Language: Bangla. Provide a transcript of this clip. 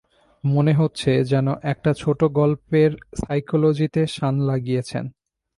মনে হচ্ছে, যেন একটা ছোটো গল্পের সাইকোলজিতে শান লাগিয়েছেন।